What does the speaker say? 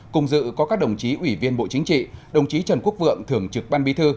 cùng dự có các đồng chí ủy viên bộ chính trị đồng chí trần quốc vượng thường trực ban bí thư